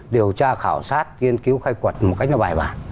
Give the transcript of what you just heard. điều tra khảo sát nghiên cứu khai quật một cách nó bài bản